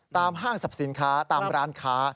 ห้างสรรพสินค้าตามร้านค้า